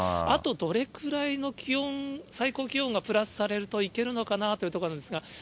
あとどれくらいの気温、最高気温がプラスされるといけるのかなというところなんですが。